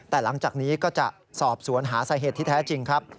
แต่หลังจากนี้ก็จะสอบสวนหาสาเหตุที่แท้จริงครับ